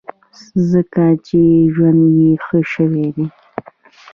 ځکه چې ژوند یې ښه شوی دی.